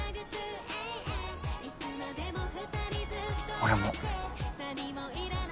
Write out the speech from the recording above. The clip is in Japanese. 俺も。